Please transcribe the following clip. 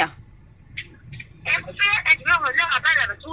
em cũng biết em chỉ biết là hồi nãy là phải thui